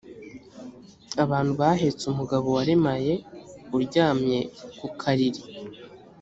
abantu bahetse umugabo waremaye uryamye ku kariri